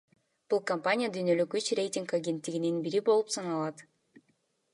Бул компания дүйнөлүк үч рейтинг агенттигинин бири болуп саналат.